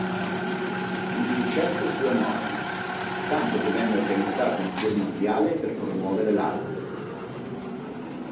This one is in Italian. Il successo fu enorme, tanto che venne organizzato un tour mondiale per promuovere l'album.